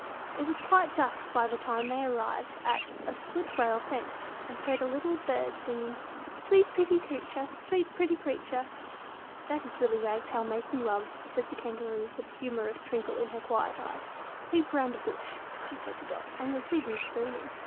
It was quite dusk by the time they arrived at a split rail fence, and heard a little bird singing, "Sweet pretty creature! Sweet pretty creature!" "That is Willy Wagtail making love," said the Kangaroo, with a humorous twinkle in her quiet eyes. "Peep round the bush," she said to Dot, "and you'll see them spooning."